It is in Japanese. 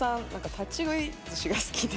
立ち食い寿司が好きで。